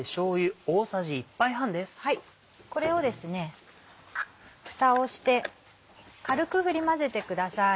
これをふたをして軽く振り混ぜてください。